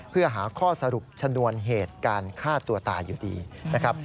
เพื่อหาข้อสรุปชนวนเหตุการณ์ฆ่าตัวตายอยู่ดีนะครับ